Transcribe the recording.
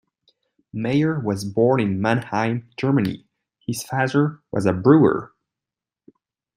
Mayer was born in Mannheim, Germany; his father was a brewer.